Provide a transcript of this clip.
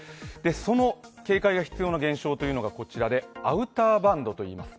その警戒が必要な現象がこちらでアウターバンドといいます。